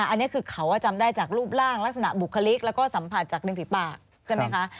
อันนี้คือเขาจำได้จากรูปร่างลักษณะบุคลิกแล้วก็สัมผัสจากริมฝีปากใช่ไหมคะ